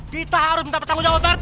kita harus minta pertanggung jawab pak rt